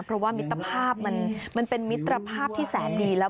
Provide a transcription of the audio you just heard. เพราะว่ามิตรภาพมันเป็นมิตรภาพที่แสนดีแล้ว